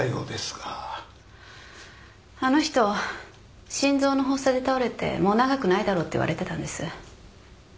あの人心臓の発作で倒れてもう長くないだろうっていわれてたんです